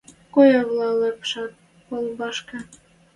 Коэвлӓ лыпшат палубашкы